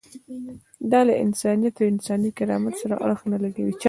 دا له انسانیت او انساني کرامت سره اړخ نه لګوي.